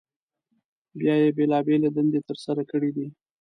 بیا یې بېلابېلې دندې تر سره کړي دي.